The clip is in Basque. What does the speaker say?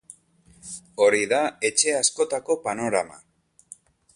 Hori da etxe askotako panorama.